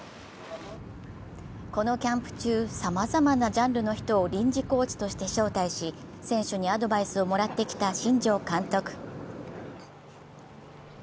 このキャンプ中、さまざまなジャンルの人を臨時コーチとして招待し選手にアドバイスをもらってきた新庄監督。